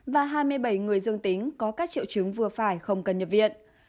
và hai mươi bảy người dương tính có các triệu chứng vừa phải không cần nhập viện